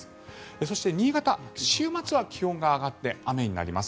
そして、新潟週末は気温が上がって雨になります。